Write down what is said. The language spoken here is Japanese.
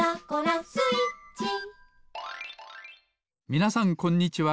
みなさんこんにちは。